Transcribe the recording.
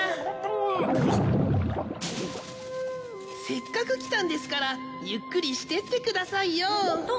せっかく来たんですからゆっくりしてってくださいよぉ。